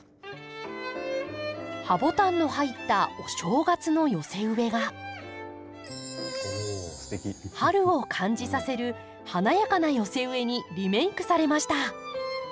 ハボタンの入ったお正月の寄せ植えが春を感じさせる華やかな寄せ植えにリメイクされました。